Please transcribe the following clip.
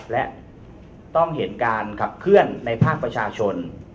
และต้องเห็นการขับเคลื่อนในภาคประชาชน